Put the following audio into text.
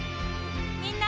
みんな！